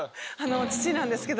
父なんですけど。